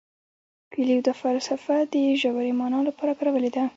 کویلیو دا فلسفه د ژورې مانا لپاره کارولې ده.